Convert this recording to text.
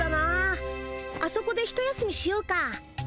あそこでひと休みしようか？